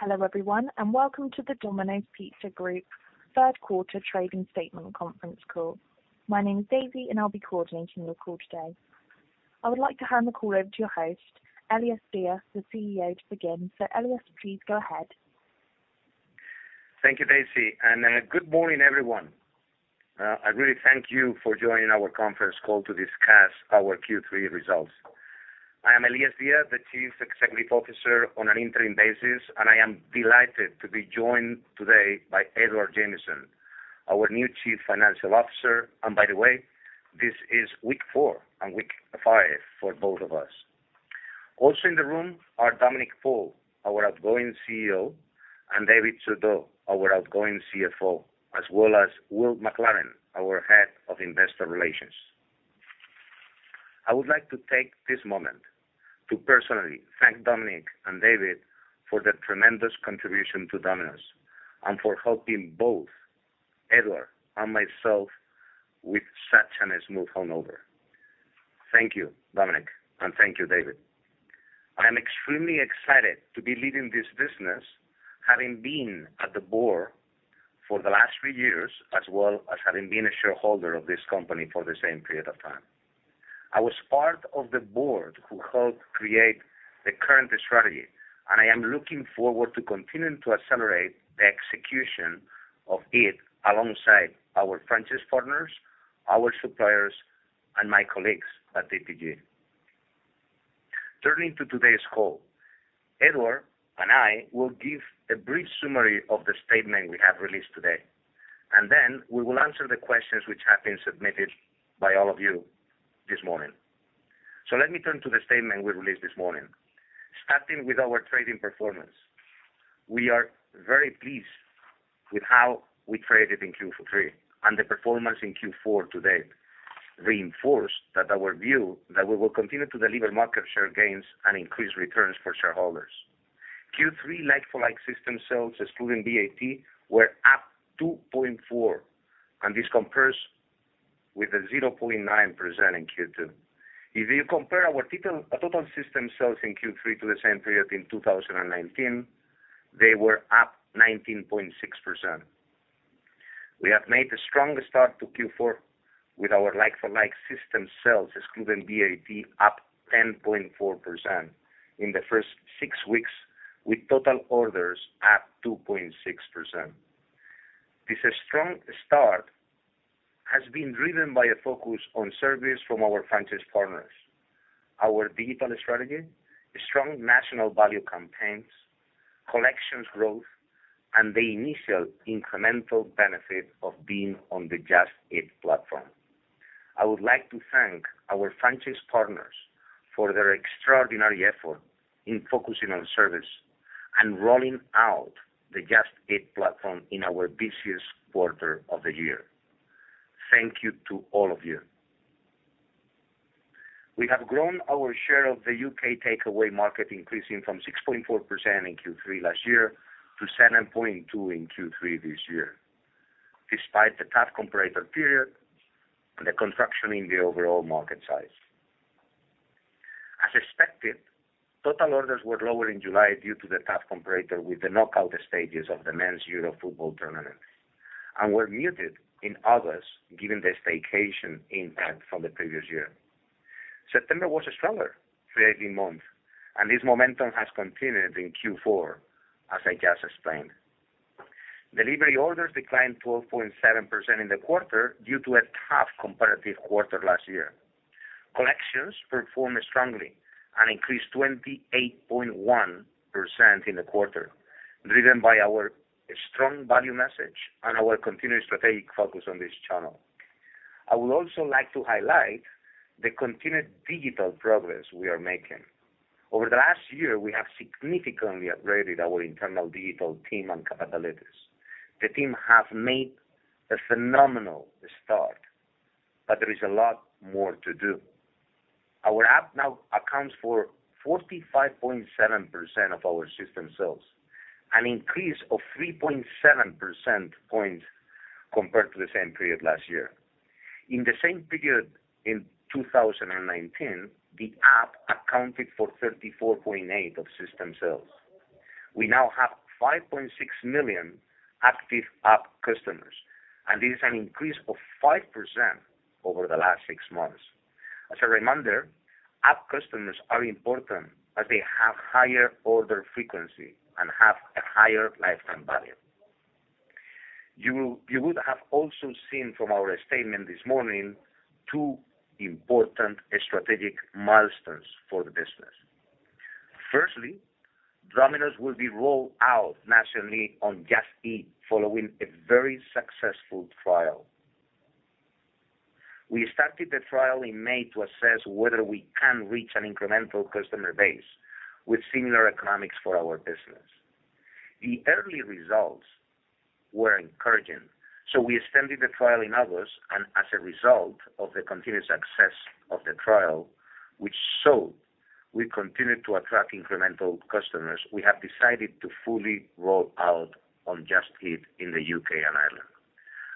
Hello, everyone, and welcome to the Domino's Pizza Group third quarter trading statement conference call. My name is Daisy, and I'll be coordinating your call today. I would like to hand the call over to your host, Elias Diaz, the CEO, to begin. Elias, please go ahead. Thank you, Daisy. Good morning, everyone. I really thank you for joining our conference call to discuss our Q3 results. I am Elias Diaz, the Chief Executive Officer on an interim basis, and I am delighted to be joined today by Edward Jamieson, our new Chief Financial Officer. By the way, this is week 4 and week 5 for both of us. Also in the room are Dominic Paul, our outgoing CEO, and David Surdeau, our outgoing CFO, as well as Will MacLaren, our head of investor relations. I would like to take this moment to personally thank Dominic and David for their tremendous contribution to Domino's and for helping both Edward and myself with such a smooth handover. Thank you, Dominic, and thank you, David. I am extremely excited to be leading this business, having been at the board for the last three years, as well as having been a shareholder of this company for the same period of time. I was part of the board who helped create the current strategy, and I am looking forward to continuing to accelerate the execution of it alongside our franchise partners, our suppliers, and my colleagues at DPG. Turning to today's call. Edward and I will give a brief summary of the statement we have released today, and then we will answer the questions which have been submitted by all of you this morning. Let me turn to the statement we released this morning. Starting with our trading performance. We are very pleased with how we traded in Q3, and the performance in Q4 to date reinforced that our view that we will continue to deliver market share gains and increase returns for shareholders. Q3 like-for-like system sales, excluding VAT, were up 2.4, and this compares with a 0.9% in Q2. If you compare our total system sales in Q3 to the same period in 2019, they were up 19.6%. We have made a strong start to Q4 with our like-for-like system sales, excluding VAT, up 10.4% in the first six weeks, with total orders up 2.6%. This strong start has been driven by a focus on service from our franchise partners, our digital strategy, strong national value campaigns, collections growth, and the initial incremental benefit of being on the Just Eat platform. I would like to thank our franchise partners for their extraordinary effort in focusing on service and rolling out the Just Eat platform in our busiest quarter of the year. Thank you to all of you. We have grown our share of the UK takeaway market, increasing from 6.4% in Q3 last year to 7.2% in Q3 this year, despite the tough comparator period and the contraction in the overall market size. As expected, total orders were lower in July due to the tough comparator with the knockout stages of the men's Euro football tournament and were muted in August, given the staycation impact from the previous year. September was a stronger trading month, and this momentum has continued in Q4, as I just explained. Delivery orders declined 12.7% in the quarter due to a tough comparative quarter last year. Collections performed strongly and increased 28.1% in the quarter, driven by our strong value message and our continued strategic focus on this channel. I would also like to highlight the continued digital progress we are making. Over the last year, we have significantly upgraded our internal digital team and capabilities. The team have made a phenomenal start, but there is a lot more to do. Our app now accounts for 45.7% of our system sales, an increase of 3.7 percentage points compared to the same period last year. In the same period in 2019, the app accounted for 34.8% of system sales. We now have 5.6 million active app customers, and this is an increase of 5% over the last six months. As a reminder, app customers are important as they have higher order frequency and have a higher lifetime value. You would have also seen from our statement this morning two important strategic milestones for the business. Firstly, Domino's will be rolled out nationally on Just Eat following a very successful trial. We started the trial in May to assess whether we can reach an incremental customer base with similar economics for our business. The early results were encouraging, so we extended the trial in August and as a result of the continued success of the trial, which saw us continue to attract incremental customers, we have decided to fully roll out on Just Eat in the U.K. and Ireland.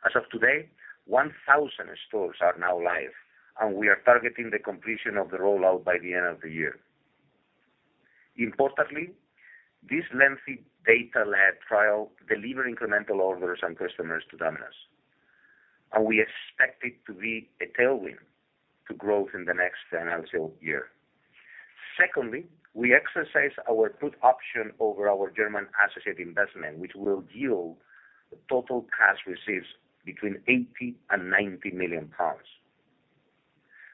As of today, 1,000 stores are now live, and we are targeting the completion of the rollout by the end of the year. Importantly, this lengthy data-led trial deliver incremental orders and customers to Domino's. We expect it to be a tailwind to growth in the next financial year. Secondly, we exercise our put option over our German associate investment, which will yield total cash receipts between 80 million and 90 million pounds.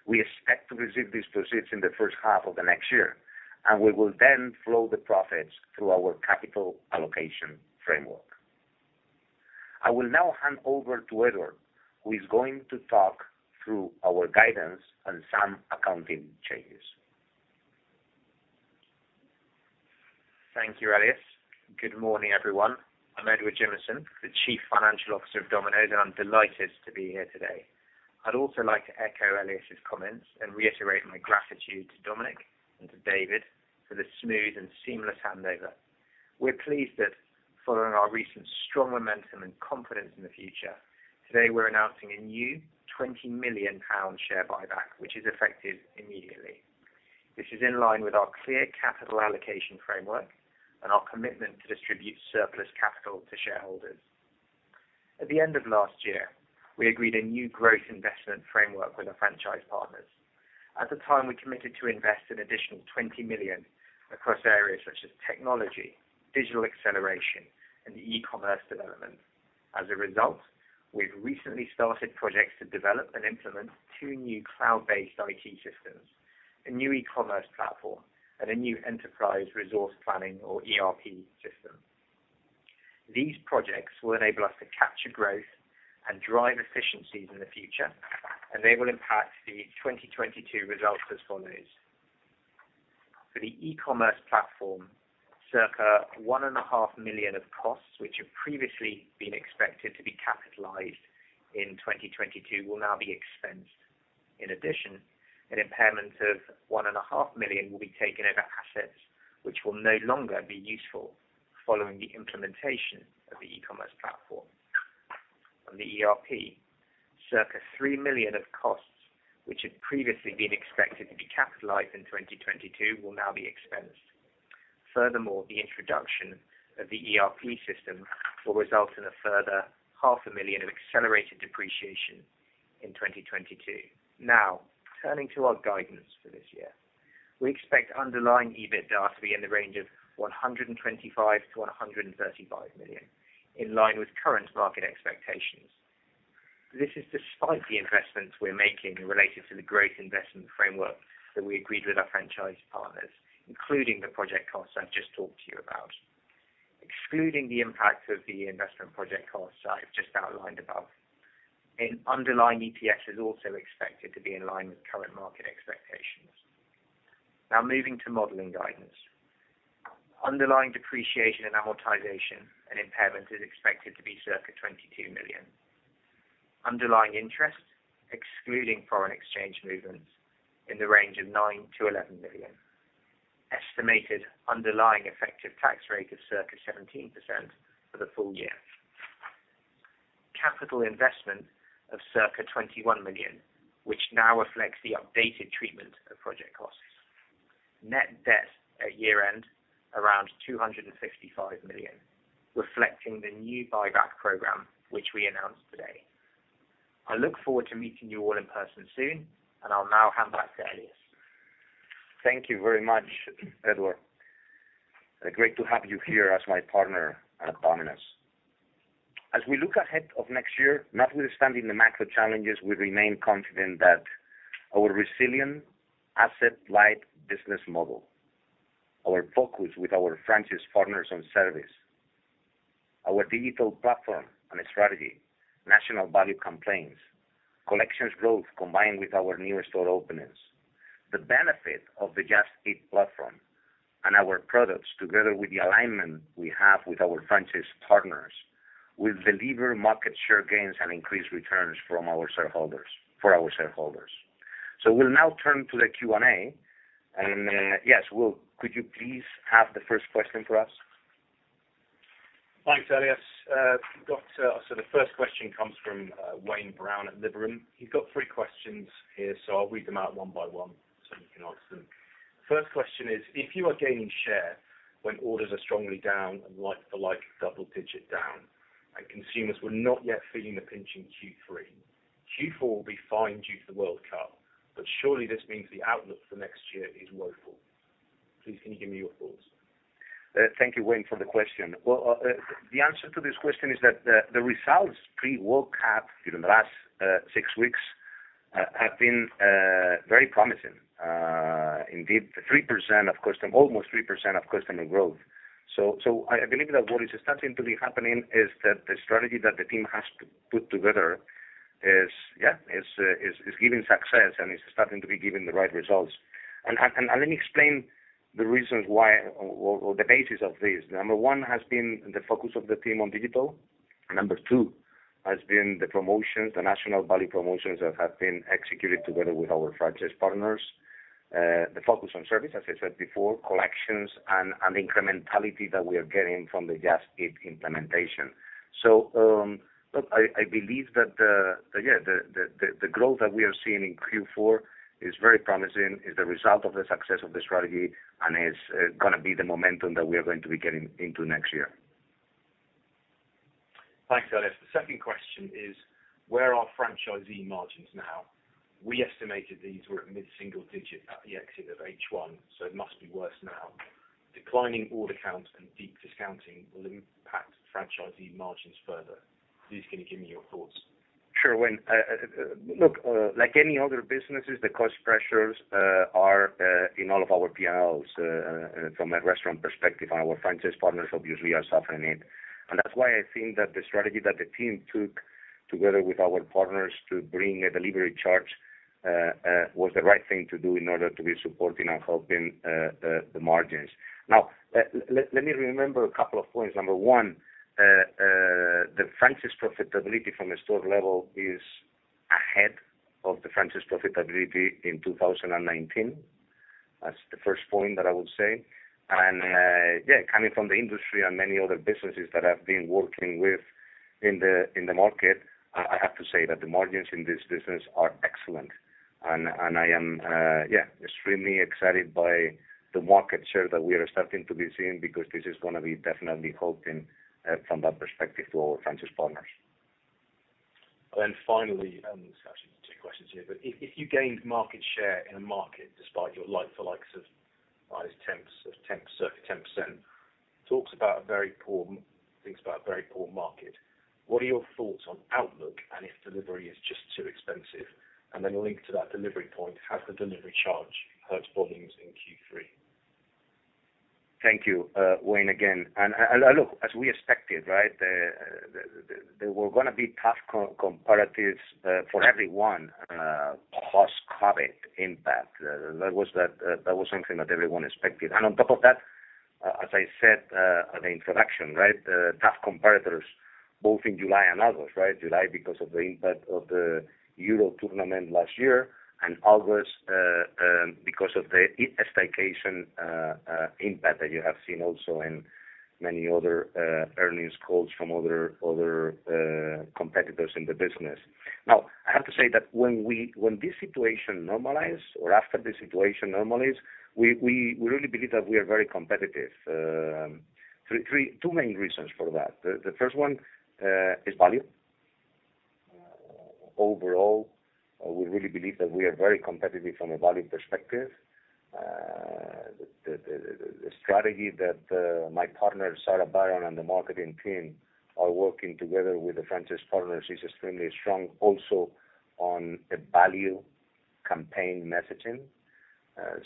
We expect to receive these proceeds in the first half of the next year, and we will then flow the profits through our capital allocation framework. I will now hand over to Edward, who is going to talk through our guidance and some accounting changes. Thank you, Elias. Good morning, everyone. I'm Edward Jamieson, the Chief Financial Officer of Domino's, and I'm delighted to be here today. I'd also like to echo Elias' comments and reiterate my gratitude to Dominic and to David for the smooth and seamless handover. We're pleased that following our recent strong momentum and confidence in the future, today we're announcing a new 20 million pound share buyback, which is effective immediately. This is in line with our clear capital allocation framework and our commitment to distribute surplus capital to shareholders. At the end of last year, we agreed a new growth investment framework with our franchise partners. At the time, we committed to invest an additional 20 million across areas such as technology, digital acceleration, and e-commerce development. As a result, we've recently started projects to develop and implement two new cloud-based IT systems, a new e-commerce platform, and a new enterprise resource planning or ERP system. These projects will enable us to capture growth and drive efficiencies in the future, and they will impact the 2022 results as follows. For the e-commerce platform, circa 1.5 million of costs, which have previously been expected to be capitalized in 2022, will now be expensed. In addition, an impairment of 1.5 million will be taken over assets, which will no longer be useful following the implementation of the e-commerce platform. On the ERP, circa 3 million of costs, which had previously been expected to be capitalized in 2022, will now be expensed. Furthermore, the introduction of the ERP system will result in a further GBP half a million of accelerated depreciation in 2022. Now, turning to our guidance for this year. We expect underlying EBITDA to be in the range of 125 million-135 million, in line with current market expectations. This is despite the investments we're making related to the growth investment framework that we agreed with our franchise partners, including the project costs I've just talked to you about. Excluding the impact of the investment project costs I've just outlined above, an underlying EPS is also expected to be in line with current market expectations. Now moving to modeling guidance. Underlying depreciation and amortization and impairment is expected to be circa 22 million. Underlying interest, excluding foreign exchange movements, in the range of 9 million-11 million. Estimated underlying effective tax rate of circa 17% for the full year. Capital investment of circa 21 million, which now reflects the updated treatment of project costs. Net debt at year-end around 255 million, reflecting the new buyback program, which we announced today. I look forward to meeting you all in person soon, and I'll now hand back to Elias. Thank you very much, Edward. Great to have you here as my partner at Domino's. As we look ahead of next year, notwithstanding the macro challenges, we remain confident that our resilient asset-light business model, our focus with our franchise partners on service, our digital platform and strategy, national value campaigns, collections growth, combined with our new store openings, the benefit of the Just Eat platform and our products, together with the alignment we have with our franchise partners, will deliver market share gains and increase returns from our shareholders, for our shareholders. We'll now turn to the Q&A. Yes, Will, could you please have the first question for us? Thanks, Elias. We've got, so the first question comes from, Wayne Brown at Liberum. He's got three questions here, so I'll read them out one by one, so you can answer them. First question is, if you are gaining share when orders are strongly down and like-for-like double-digit down, and consumers were not yet feeling the pinch in Q3, Q4 will be fine due to the World Cup, but surely this means the outlook for next year is woeful. Please, can you give me your thoughts? Thank you, Wayne, for the question. Well, the answer to this question is that the results pre-World Cup in the last six weeks have been very promising. Indeed, almost 3% customer growth. I believe that what is starting to be happening is that the strategy that the team has to put together is, yeah, is giving success and is starting to be giving the right results. Let me explain the reasons why or the basis of this. Number one has been the focus of the team on digital. Number two has been the promotions, the national value promotions that have been executed together with our franchise partners. The focus on service, as I said before, collections and incrementality that we are getting from the Just Eat implementation. Look, I believe that, yeah, the growth that we are seeing in Q4 is very promising, is the result of the success of the strategy, and is gonna be the momentum that we are going to be getting into next year. Thanks, Elias. The second question is, where are franchisee margins now? We estimated these were at mid-single digit at the exit of H1, so it must be worse now. Declining order counts and deep discounting will impact franchisee margins further. Please, can you give me your thoughts? Sure, Wayne. Look, like any other businesses, the cost pressures are in all of our P&Ls from a restaurant perspective, and our franchise partners obviously are suffering it. That's why I think that the strategy that the team took together with our partners to bring a delivery charge was the right thing to do in order to be supporting and helping the margins. Now, let me remember a couple of points. Number one, the franchise profitability from a store level is ahead of the franchise profitability in 2019. That's the first point that I would say. Yeah, coming from the industry and many other businesses that I've been working with in the market, I have to say that the margins in this business are excellent. I am, yeah, extremely excited by the market share that we are starting to be seeing because this is gonna be definitely helping, from that perspective to our franchise partners. Finally, it's actually two questions here, but if you gained market share in a market despite your like-for-likes of -10, so 10%, that talks about a very poor market, what are your thoughts on outlook and if delivery is just too expensive? Linked to that delivery point, has the delivery charge hurt volumes in Q3? Thank you, Wayne, again. Look, as we expected, there were gonna be tough comparables for everyone post-COVID impact. That was something that everyone expected. On top of that, as I said on introduction, tough comparables both in July and August. July because of the impact of the Euro tournament last year, and August because of the staycation impact that you have seen also in many other earnings calls from other competitors in the business. Now, I have to say that when this situation normalize or after the situation normalize, we really believe that we are very competitive. Two main reasons for that. The first one is value. Overall, we really believe that we are very competitive from a value perspective. The strategy that my partner, Sarah Barron, and the marketing team are working together with the franchise partners is extremely strong also on the value campaign messaging.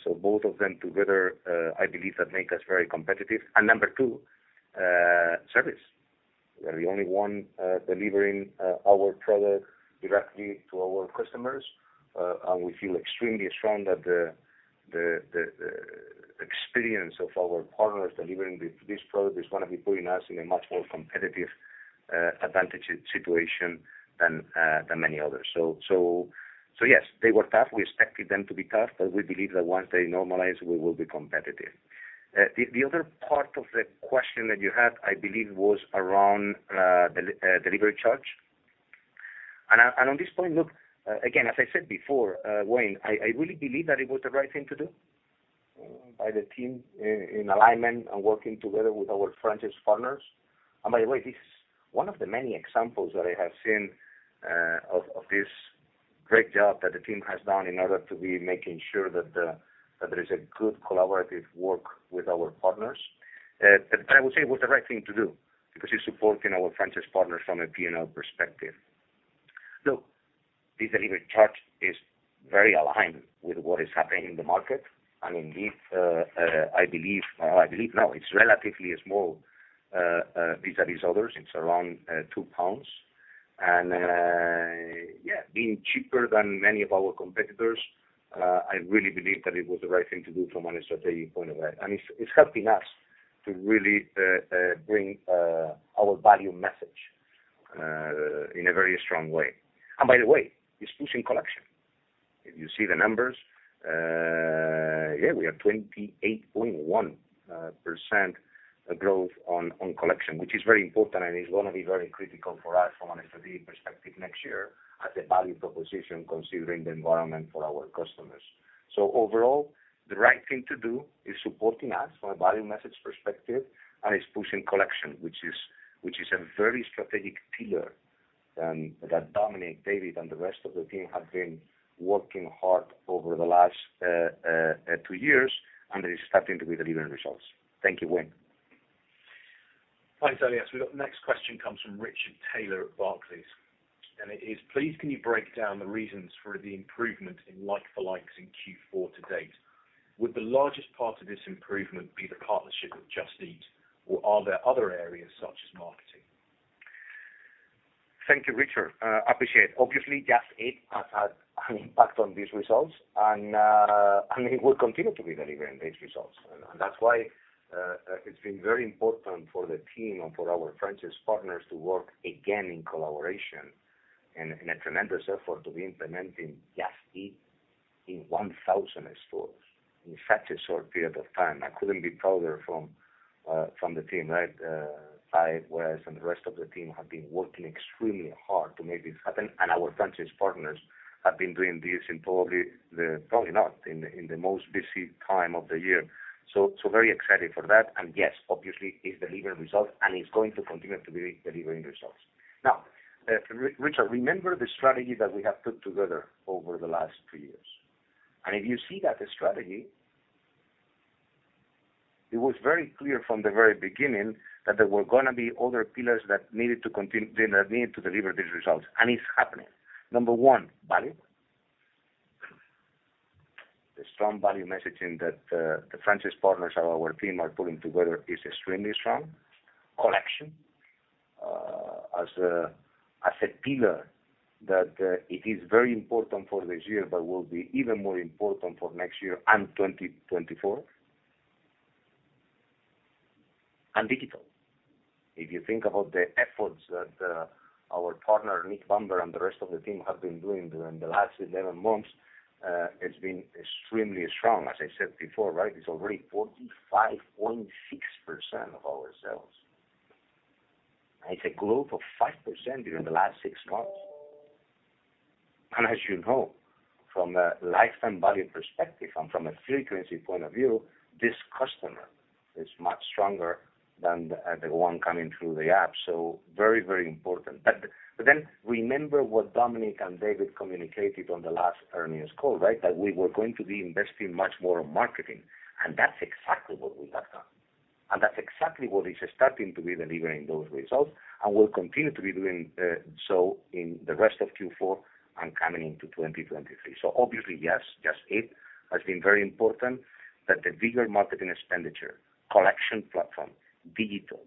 So both of them together, I believe that make us very competitive. Number two, service. We're the only one delivering our product directly to our customers, and we feel extremely strong that the experience of our partners delivering this product is gonna be putting us in a much more competitive advantage situation than many others. Yes, they were tough. We expected them to be tough, but we believe that once they normalize, we will be competitive. The other part of the question that you had, I believe, was around the delivery charge. On this point, look, again, as I said before, Wayne, I really believe that it was the right thing to do by the team in alignment and working together with our franchise partners. By the way, this one of the many examples that I have seen of this great job that the team has done in order to be making sure that there is a good collaborative work with our partners. I would say it was the right thing to do because you're supporting our franchise partners from a P&L perspective. Look, this delivery charge is very aligned with what is happening in the market. Indeed, I believe no, it's relatively small vis-à-vis others. It's around 2 pounds. Being cheaper than many of our competitors, I really believe that it was the right thing to do from a strategic point of view. It's helping us to really bring our value message in a very strong way. By the way, it's pushing collection. If you see the numbers, we have 28.1% growth on collection, which is very important, and it's gonna be very critical for us from a strategy perspective next year as a value proposition considering the environment for our customers. Overall, the right thing to do is supporting us from a value message perspective, and it's pushing collection, which is a very strategic pillar, that Dominic, David, and the rest of the team have been working hard over the last two years, and it is starting to be delivering results. Thank you, Wayne. Thanks, Elias. We've got the next question comes from Richard Taylor at Barclays, and it is, Please, can you break down the reasons for the improvement in like-for-like in Q4 to date? Would the largest part of this improvement be the partnership with Just Eat, or are there other areas such as marketing? Thank you, Richard. Appreciate it. Obviously, Just Eat has had an impact on these results, and it will continue to be delivering these results. That's why it's been very important for the team and for our franchise partners to work again in collaboration. A tremendous effort to be implementing Just Eat in 1,000 stores in such a short period of time. I couldn't be prouder from the team, right? Ty and the rest of the team have been working extremely hard to make this happen, and our franchise partners have been doing this in the most busy time of the year. Very excited for that. Yes, obviously it's delivering results, and it's going to continue to be delivering results. Now, Richard, remember the strategy that we have put together over the last three years, and if you see that strategy, it was very clear from the very beginning that there were gonna be other pillars that need to deliver these results, and it's happening. Number one, value. The strong value messaging that the franchise partners and our team are putting together is extremely strong. Collection as a pillar that it is very important for this year but will be even more important for next year and 2024. Digital. If you think about the efforts that our partner, Nick Bunker, and the rest of the team have been doing during the last 11 months, it's been extremely strong. As I said before, right, it's already 45.6% of our sales. It's a growth of 5% during the last six months. As you know, from a lifetime value perspective and from a frequency point of view, this customer is much stronger than the one coming through the app, so very, very important. Remember what Dominic and David communicated on the last earnings call, right? That we were going to be investing much more on marketing, and that's exactly what we have done. That's exactly what is starting to be delivering those results and will continue to be doing in the rest of Q4 and coming into 2023. Obviously, yes, Just Eat has been very important, but the bigger marketing expenditure, collection platform, digital,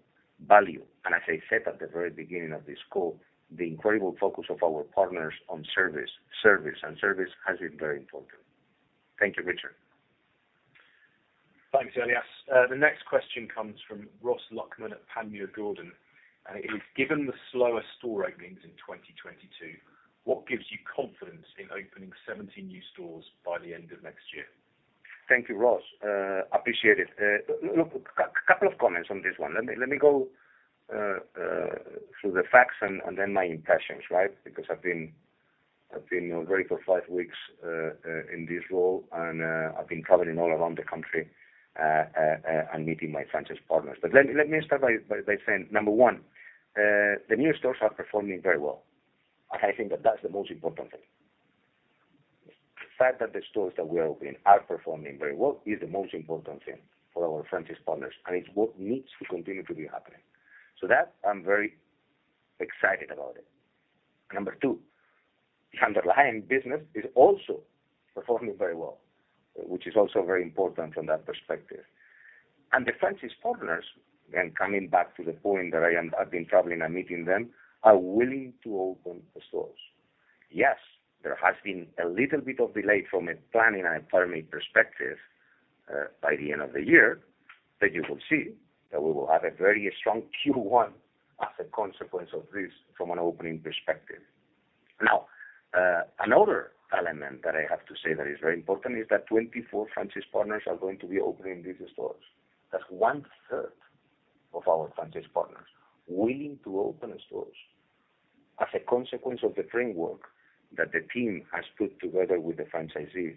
value, and as I said at the very beginning of this call, the incredible focus of our partners on service, and service has been very important. Thank you, Richard. Thanks, Elias. The next question comes from Ross Luckman at Panmure Gordon, and it is, "Given the slower store openings in 2022, what gives you confidence in opening 70 new stores by the end of next year? Thank you, Ross. Appreciate it. Look, couple of comments on this one. Let me go through the facts and then my impressions, right? Because I've been now very close five weeks in this role, and I've been traveling all around the country and meeting my franchise partners. Let me start by saying, number one, the new stores are performing very well, and I think that that's the most important thing. The fact that the stores that we are opening are performing very well is the most important thing for our franchise partners, and it's what needs to continue to be happening. That, I'm very excited about it. Number two, the underlying business is also performing very well, which is also very important from that perspective. The franchise partners, coming back to the point that I've been traveling and meeting them, are willing to open the stores. Yes, there has been a little bit of delay from a planning and a permitting perspective, by the end of the year, but you will see that we will have a very strong Q1 as a consequence of this from an opening perspective. Now, another element that I have to say that is very important is that 24 franchise partners are going to be opening these stores. That's 1/3 of our franchise partners willing to open stores as a consequence of the framework that the team has put together with the franchisees.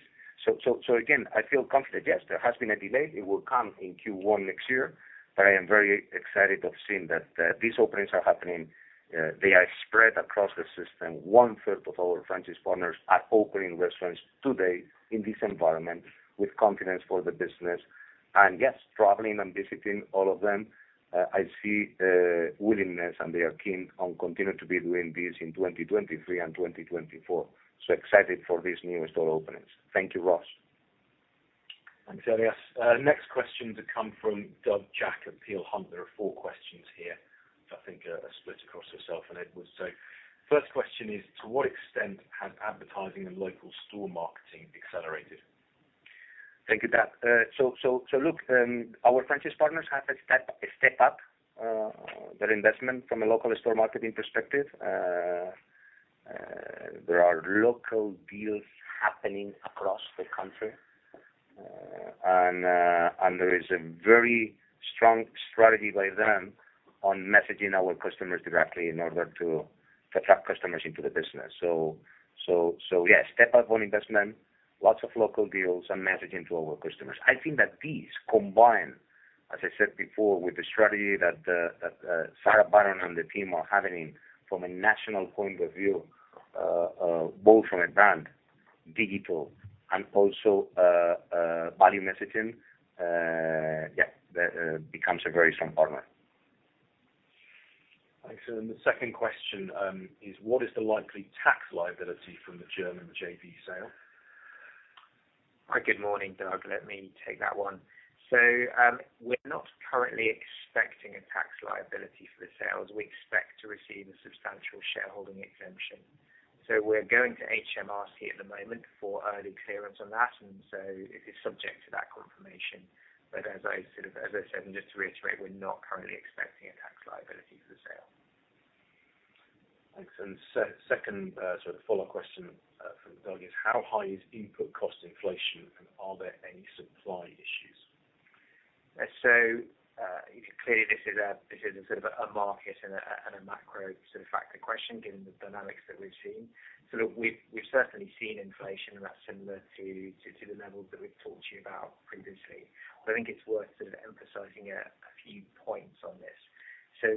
So again, I feel confident. Yes, there has been a delay. It will come in Q1 next year, but I am very excited of seeing that these openings are happening. They are spread across the system. 1/3 of our franchise partners are opening restaurants today in this environment with confidence for the business. Yes, traveling and visiting all of them, I see willingness, and they are keen on continue to be doing this in 2023 and 2024. Excited for these new store openings. Thank you, Ross. Thanks, Elias. Next question to come from Douglas Jack at Peel Hunt. Four questions here, I think, are split across yourself and Edward. First question is, "To what extent has advertising and local store marketing accelerated? Thank you, Doug. Look, our franchise partners have a step up in their investment from a local store marketing perspective. There are local deals happening across the country, and there is a very strong strategy by them on messaging our customers directly in order to attract customers into the business. Yes, step up in investment, lots of local deals and messaging to our customers. I think that these combine, as I said before, with the strategy that Sarah Barron and the team are having from a national point of view, both from a brand, digital, and also value messaging. That becomes a very strong partner. Thanks. The second question is, "What is the likely tax liability from the German JV sale? Hi, good morning, Doug. Let me take that one. We're not currently expecting a tax liability for the sales. We expect to receive a substantial shareholding exemption. We're going to HMRC at the moment for early clearance on that, and so it is subject to that confirmation. As I said, and just to reiterate, we're not currently expecting a tax liability for the sale. Thanks. Second, sort of follow-up question from Doug is how high is input cost inflation, and are there any supply issues? Clearly this is a sort of market and a macro sort of factor question given the dynamics that we've seen. Look, we've certainly seen inflation and that's similar to the levels that we've talked to you about previously. I think it's worth sort of emphasizing a few points on this.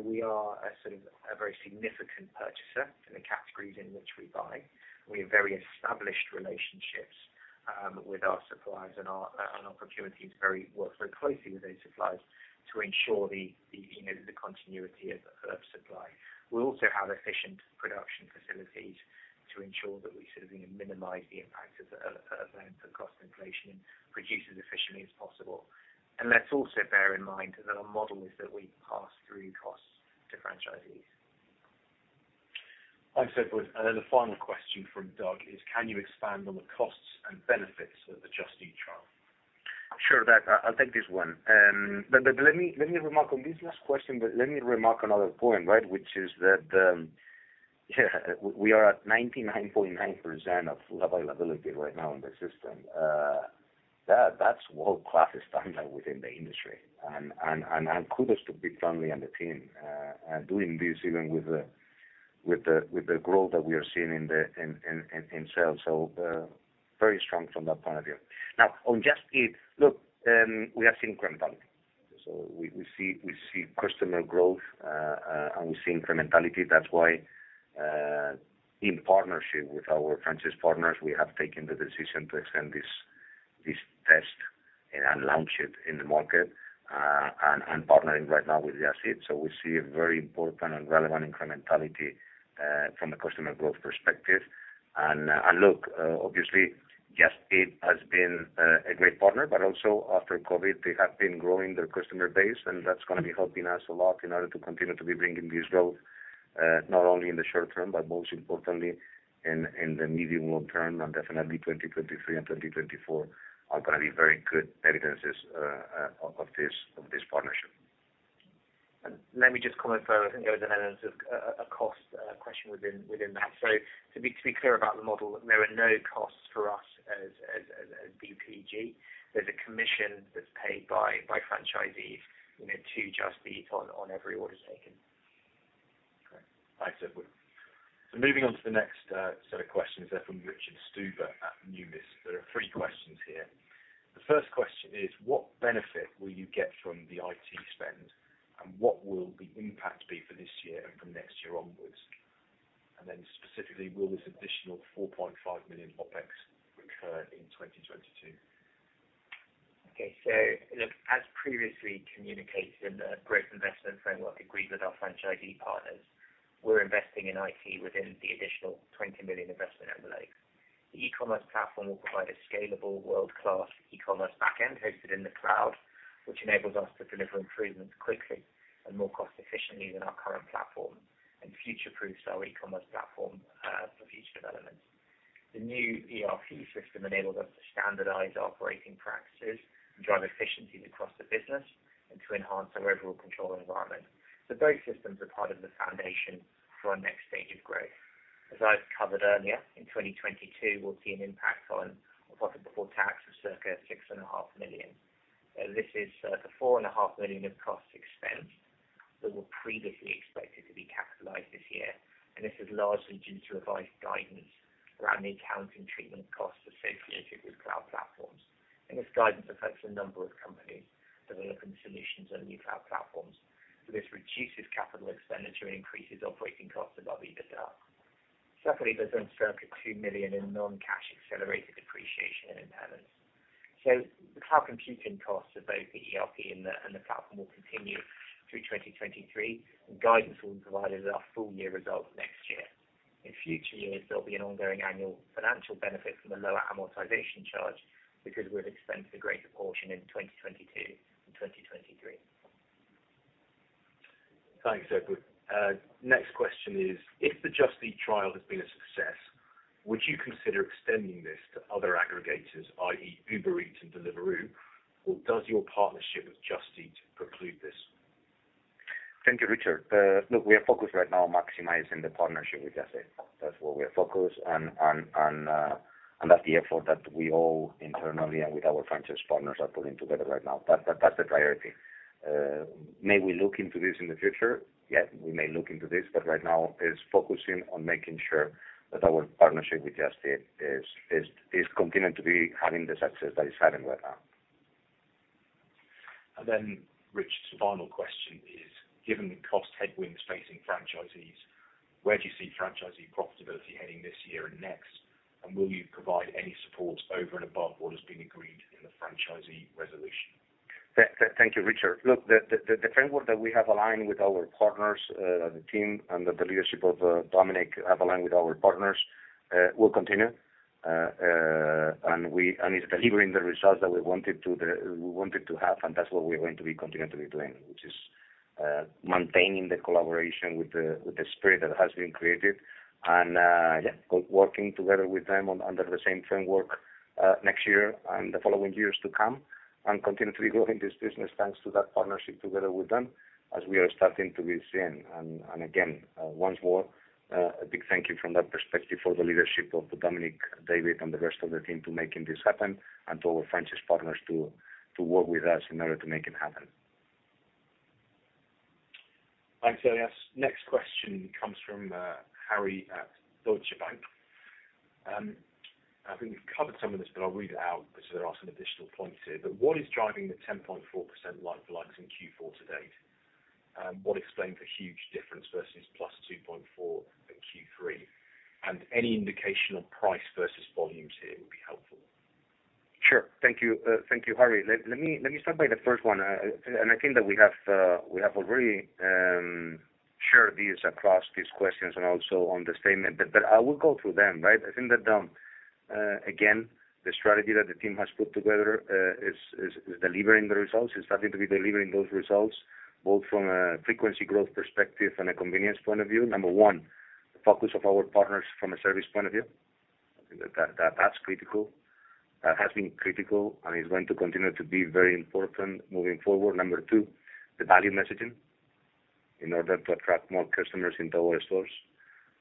We are a very significant purchaser in the categories in which we buy. We have very established relationships with our suppliers and our procurement teams work very closely with those suppliers to ensure you know the continuity of supply. We also have efficient production facilities to ensure that we sort of you know minimize the impact of that cost inflation and produce as efficiently as possible. Let's also bear in mind that our model is that we pass through costs to franchisees. Thanks. The final question from Doug is, can you expand on the costs and benefits of the Just Eat trial? Sure. That, I'll take this one. Let me remark another point, right? Which is that we are at 99.9% of full availability right now in the system. That's world-class standard within the industry. Kudos to big family and the team doing this even with the growth that we are seeing in the sales. Very strong from that point of view. Now, on Just Eat, look, we are seeing incremental. We see customer growth and we see incrementality. That's why, in partnership with our franchise partners, we have taken the decision to extend this test and launch it in the market, and partnering right now with Just Eat. We see a very important and relevant incrementality, from a customer growth perspective. And look, obviously, Just Eat has been a great partner, but also after COVID, they have been growing their customer base, and that's gonna be helping us a lot in order to continue to be bringing this growth, not only in the short term, but most importantly, in the medium long term. Definitely 2023 and 2024 are gonna be very good evidences, of this partnership. Let me just comment further. I think there was an element of a cost question within that. To be clear about the model, there are no costs for us as DPG. There's a commission that's paid by franchisees, you know, to Just Eat on every order taken. Okay. Thanks, Edward. Moving on to the next set of questions there from Richard Stuber at Numis. There are three questions here. The first question is what benefit will you get from the IT spend, and what will the impact be for this year and from next year onwards? And then specifically, will this additional 4.5 million OpEx recur in 2022? Okay. Look, as previously communicated in the growth investment framework agreed with our franchisee partners, we're investing in IT within the additional 20 million investment envelope. The e-commerce platform will provide a scalable world-class e-commerce back-end hosted in the cloud, which enables us to deliver improvements quickly and more cost-efficiently than our current platform, and future-proofs our e-commerce platform for future developments. The new ERP system enables us to standardize operating practices and drive efficiencies across the business and to enhance our overall control environment. Both systems are part of the foundation for our next stage of growth. As I've covered earlier, in 2022, we'll see an impact on profit before tax of circa 6.5 million. This is the 4.5 million in costs expense that were previously expected to be capitalized this year. This is largely due to revised guidance around the accounting treatment costs associated with cloud platforms. This guidance affects a number of companies developing solutions on new cloud platforms. This reduces capital expenditure and increases operating costs above EBITDA. Secondly, there's been circa 2 million in non-cash accelerated depreciation and impairments. The cloud computing costs of both the ERP and the platform will continue through 2023, and guidance will be provided at our full-year results next year. In future years, there'll be an ongoing annual financial benefit from the lower amortization charge because we've expensed a greater portion in 2022 and 2023. Thanks, Edward. Next question is, if the Just Eat trial has been a success, would you consider extending this to other aggregators, i.e., Uber Eats and Deliveroo, or does your partnership with Just Eat preclude this? Thank you, Richard. Look, we are focused right now on maximizing the partnership with Just Eat. That's where we are focused and that's the effort that we all internally and with our franchise partners are putting together right now. That's the priority. May we look into this in the future? Yeah, we may look into this, but right now it's focusing on making sure that our partnership with Just Eat is continuing to be having the success that it's having right now. Richard's final question is, given the cost headwinds facing franchisees, where do you see franchisee profitability heading this year and next? Will you provide any support over and above what has been agreed in the franchisee resolution? Thank you, Richard. Look, the framework that the team and the leadership of Dominic have aligned with our partners will continue. It's delivering the results that we wanted to have, and that's what we're going to be continuing to be doing, which is maintaining the collaboration with the spirit that has been created, working together with them under the same framework next year and the following years to come, and continue to be growing this business thanks to that partnership together with them as we are starting to be seeing. Once more, a big thank you from that perspective for the leadership of Dominic, David, and the rest of the team to making this happen and to our franchise partners to work with us in order to make it happen. Thanks, Elias. Next question comes from Harry at Deutsche Bank. I think we've covered some of this, but I'll read it out because there are some additional points here. What is driving the 10.4% like-for-like in Q4 to date? And what explains the huge difference versus +2.4 at Q3? And any indication on price versus volumes here would be helpful. Sure. Thank you. Thank you, Harry. Let me start by the first one. I think that we have already shared this across these questions and also on the statement, but I will go through them, right? I think that again, the strategy that the team has put together is delivering the results. It's starting to be delivering those results, both from a frequency growth perspective and a convenience point of view. Number one, the focus of our partners from a service point of view. I think that's critical. That has been critical and is going to continue to be very important moving forward. Number two, the value messaging in order to attract more customers into our stores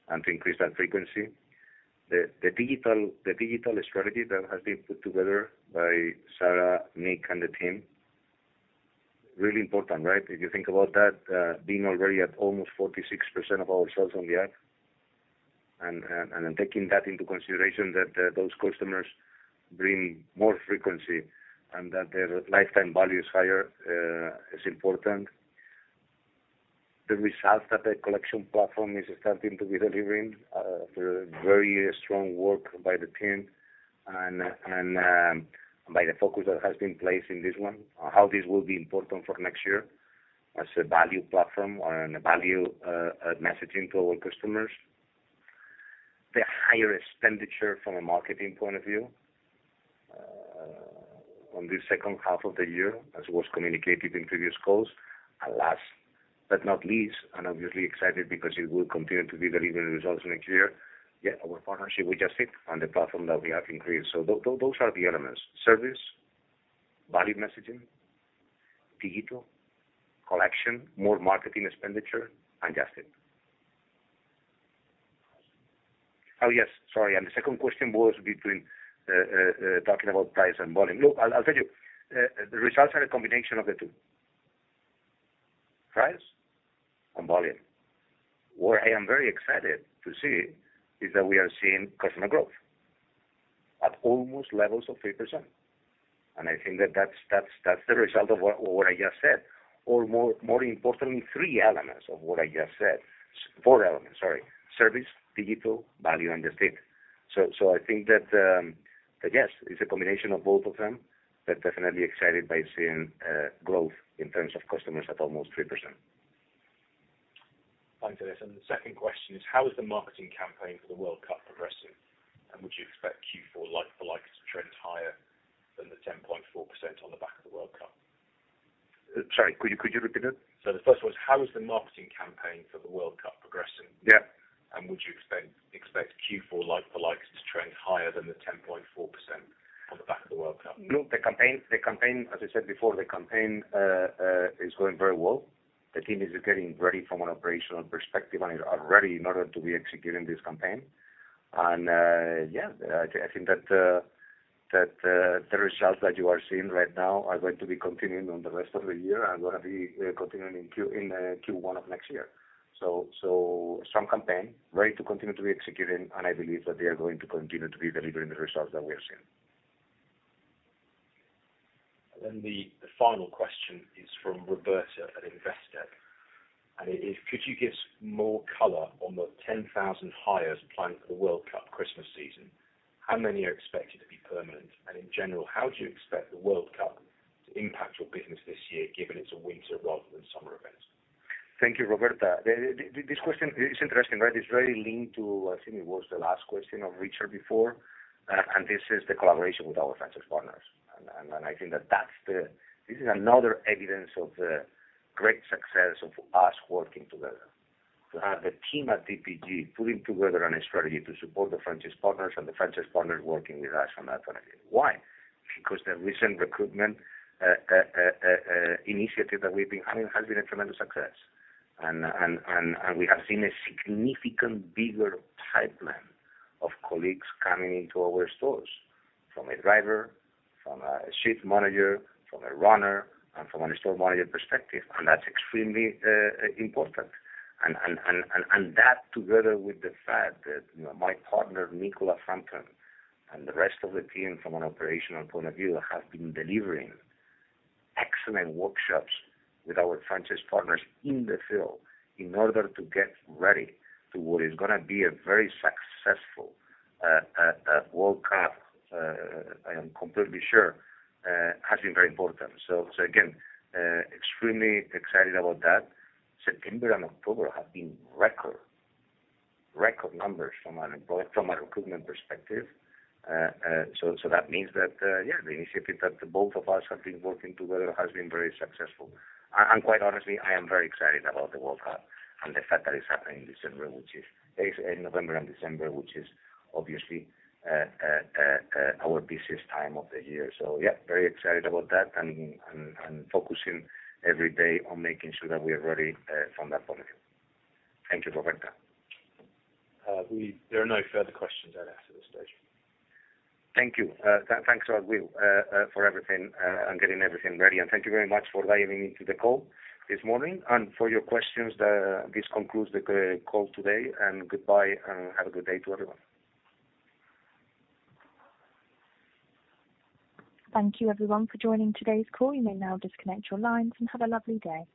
and to increase that frequency. The digital strategy that has been put together by Sarah, Nick, and the team, really important, right? If you think about that, being already at almost 46% of our sales on the app and taking that into consideration that those customers bring more frequency and that their lifetime value is higher, is important. The results that the collection platform is starting to be delivering through very strong work by the team and by the focus that has been placed in this one, how this will be important for next year as a value platform and a value messaging to our customers. The higher expenditure from a marketing point of view on the second half of the year, as was communicated in previous calls. Last but not least, and obviously excited because it will continue to be delivering results next year, yeah, our partnership with Just Eat and the platform that we have increased. Those are the elements, service, value messaging, digital, collection, more marketing expenditure, and Just Eat. Oh, yes, sorry. The second question was between talking about price and volume. Look, I'll tell you, the results are a combination of the two, price and volume. Where I am very excited to see is that we are seeing customer growth at almost levels of 3%. I think that that's the result of what I just said. More importantly, three elements of what I just said. Four elements, sorry. Service, digital, value, and Just Eat. I think that, but yes, it's a combination of both of them, but definitely excited by seeing growth in terms of customers at almost 3%. Thanks, Elias. The second question is, how is the marketing campaign for the World Cup progressing? Would you expect Q4 like-for-likes to trend higher than the 10.4% on the back of the World Cup? Sorry, could you repeat it? The first one is, how is the marketing campaign for the World Cup progressing? Yeah. Would you expect Q4 like-for-like to trend higher than the 10.4% on the back of the World Cup? Look, the campaign, as I said before, is going very well. The team is getting ready from an operational perspective and is all ready in order to be executing this campaign. I think that the results that you are seeing right now are going to be continuing on the rest of the year and gonna be continuing in Q1 of next year. Strong campaign, ready to continue to be executing, and I believe that they are going to continue to be delivering the results that we are seeing. The final question is from Roberta at Investec. It is, could you give more color on the 10,000 hires applying for the World Cup Christmas season? How many are expected to be permanent? In general, how do you expect the World Cup to impact your business this year, given it's a winter rather than summer event? Thank you, Roberta. This question is interesting, right? It's very linked to, I think it was the last question of Richard before, and this is the collaboration with our franchise partners. I think that that's the. This is another evidence of the great success of us working together. To have the team at DPG putting together a strategy to support the franchise partners and the franchise partners working with us on that front. Why? Because the recent recruitment initiative that we've been having has been a tremendous success. We have seen a significantly bigger pipeline of colleagues coming into our stores, from a driver, from a shift manager, from a runner, and from a store manager perspective, and that's extremely important. That together with the fact that, you know, my partner, Nicola Frampton, and the rest of the team from an operational point of view have been delivering excellent workshops with our franchise partners in the field in order to get ready to what is gonna be a very successful World Cup, I am completely sure, has been very important. Again, extremely excited about that. September and October have been record numbers from a recruitment perspective. That means that, yeah, the initiative that the both of us have been working together has been very successful. Quite honestly, I am very excited about the World Cup and the fact that it's happening in December, which is in November and December, which is obviously our busiest time of the year. Yeah, very excited about that and focusing every day on making sure that we are ready from that point of view. Thank you, Roberta. There are no further questions, Elias, at this stage. Thank you. Thanks, Will, for everything and getting everything ready. Thank you very much for dialing into the call this morning and for your questions. This concludes the call today, and goodbye and have a good day to everyone. Thank you everyone for joining today's call. You may now disconnect your lines and have a lovely day.